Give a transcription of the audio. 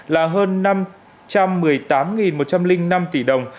là hơn năm trăm một mươi tám một trăm linh năm tỷ đồng